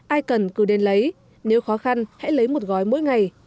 ai cần cứ đến lấy nếu khó khăn hãy lấy một gói mỗi ngày